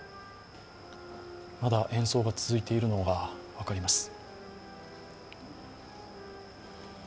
まだ演奏が続いているのが分かります。